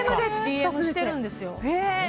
ＤＭしてるんですよ。